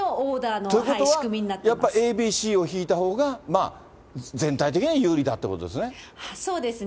ということは、やっぱりＡＢＣを引いたほうが、全体的には有利だということですね。